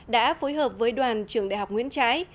đã phối hợp với đoàn trường đại học nguyễn trãi